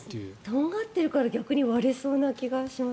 とんがってるから逆に割れそうな気がします。